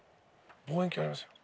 望遠鏡ありますよ。